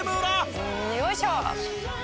「よいしょ！」